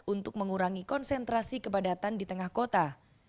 untuk mengurangi konsentrasi kepadatan di tengah kota